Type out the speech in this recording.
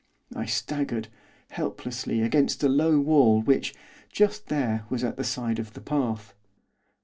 I staggered, helplessly, against a low wall which, just there, was at the side of the path.